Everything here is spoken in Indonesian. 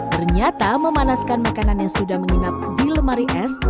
ternyata memanaskan makanan yang sudah menginap di lemari es